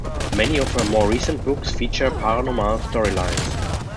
Many of her more recent books feature paranormal storylines.